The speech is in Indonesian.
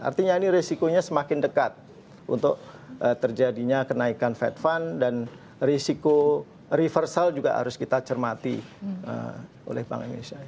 artinya ini resikonya semakin dekat untuk terjadinya kenaikan fed fund dan risiko reversal juga harus kita cermati oleh bank indonesia